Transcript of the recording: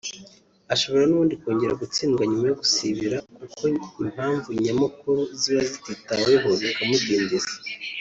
ashobora nubundi kongera gutsindwa nyuma yo gusibira kuko impamvu nyakuri ziba zititaweho bikamudindiza